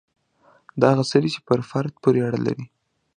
دا هغه څه دي چې پر فرد پورې اړه لري.